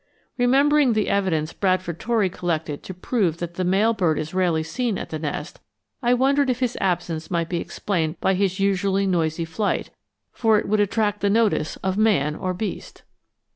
Remembering the evidence Bradford Torrey collected to prove that the male bird is rarely seen at the nest, I wondered if his absence might be explained by his usually noisy flight, for it would attract the notice of man or beast.